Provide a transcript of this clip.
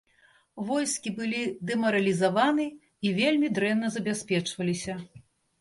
Войскі былі дэмаралізаваны і вельмі дрэнна забяспечваліся.